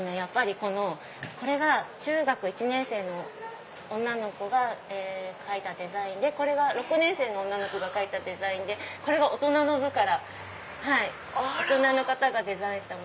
これが中学１年生の女の子が描いたデザインでこれが６年生の女の子が描いたデザインでこれが大人の部から大人の方がデザインしたもの。